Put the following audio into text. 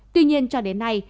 tuy nhiên cho đến nay